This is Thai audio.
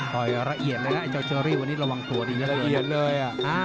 ต่อยละเอียดเลยนะไอเจ้าเชอรี่วันนี้ระวังตัวดีละเอียดเลย